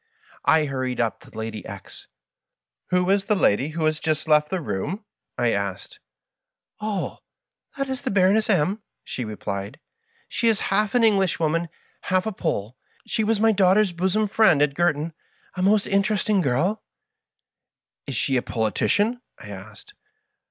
I hurried up to Lady X . "Who is the lady who has just left the room?" I asked. "Oh, that is the Baroness M ^," she replied. Digitized by VjOOQIC 154 MY FASCINATING FBIEND. " She is half an Englishwoman, half a Pole. She was my daughter's bosom friend at Girton — ^a most interest ing girl." *^ Is she a politician ?" I asked.